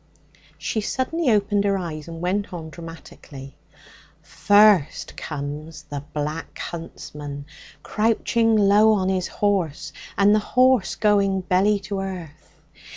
She suddenly opened her eyes and went on dramatically 'First comes the Black Huntsman, crouching low on his horse and the horse going belly to earth.